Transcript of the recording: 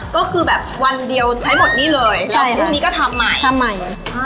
ก็คือแบบวันเดียวใช้หมดนี่เลยแล้วพรุ่งนี้ก็ทำใหม่ทำใหม่